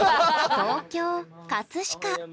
東京・葛飾。